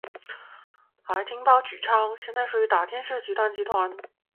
爱丁堡剧场现在属于大使剧院集团。